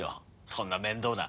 そんな面倒な。